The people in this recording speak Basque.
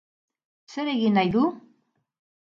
Zer egin nahi du?